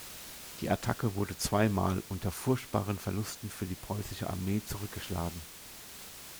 Die Attacke wurde zweimal unter furchtbaren Verlusten für die Preußische Armee zurückgeschlagen.